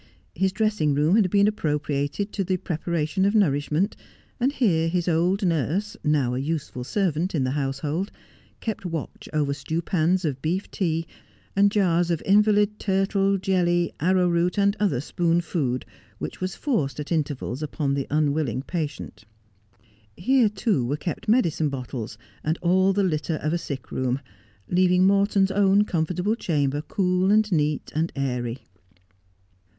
His dressing room had been appropriated to the preparation of nourishment, and here his old nurse, now a useful servant in the household, kept watch over stewpans of beef tea, and jars of invalid turtle, jelly, arrowroot, and other spoon food which was forced at intervals upon the unwilling patient. Here too were kept medicine bottles and all the litter of a sick room, leaving Morton's own comfortable chamber cool and neat and airy.